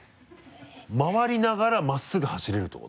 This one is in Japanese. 回りながら真っすぐ走れるってこと？